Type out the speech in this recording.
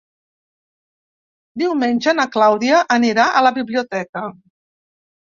Diumenge na Clàudia anirà a la biblioteca.